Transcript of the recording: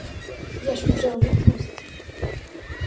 Я ж уже у відпустці.